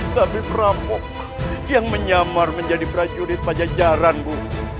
tapi prabu yang menyamar menjadi prajurit pajajaranmu